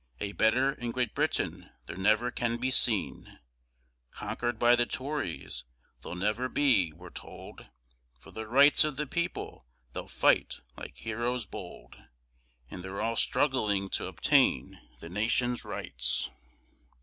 A better in Great Britain there never can be seen, Conquered by the Tories, they'll never be, we're told, For the rights of the people they'll fight like heroes bold. And they're all struggling to obtain the nation's rights.